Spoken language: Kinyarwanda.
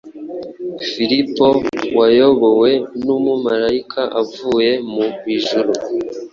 Filipo wayobowe n’umumarayika uvuye mu ijuru